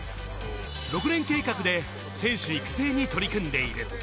６年計画で選手育成に取り組んでいる。